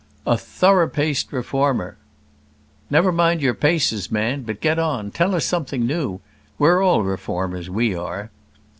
"A thorough paced reformer " "Never mind your paces, man; but get on. Tell us something new. We're all reformers, we are."